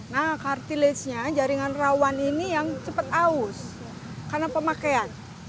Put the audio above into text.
nah kartilege nya jaringan rawan ini yang cepat aus karena pemakaian